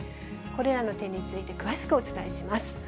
これらの点について詳しくお伝えします。